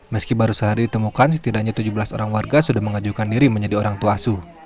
meski baru sehari ditemukan setidaknya tujuh belas orang warga sudah mengajukan diri menjadi orang tua asuh